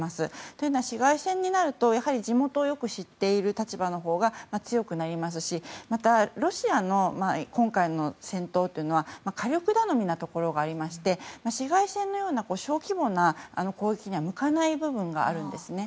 というのは市街戦になると地元をよく知っている立場のほうが強くなりますしまたロシアの今回の戦闘というのは火力頼みのところがありまして市街戦のような小規模な攻撃には向かない部分があるんです。